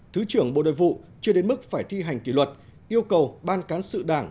thứ trưởng bộ đội vụ chưa đến mức phải thi hành kỷ luật yêu cầu ban cán sự đảng